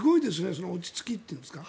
その落ち着きというんですか。